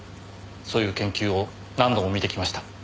そういう研究を何度も見てきました。